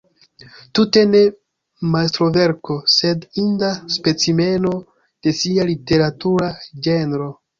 Tute ne majstroverko, sed inda specimeno de sia literatura ĝenro.